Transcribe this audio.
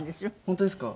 本当ですか？